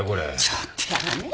ちょっとやめてよ。